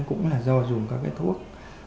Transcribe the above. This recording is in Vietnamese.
cũng là do dùng các cái thuốc